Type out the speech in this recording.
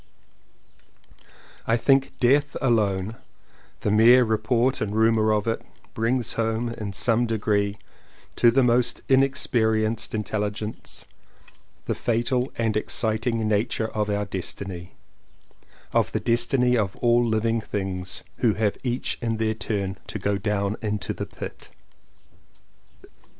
I think death alone — the mere report and rumour of it — brings home, in some degree, to the most inexperienced intelligence the fatal and exciting nature of our destiny, of the destiny of all living things who have each in their turn to go down into the pit.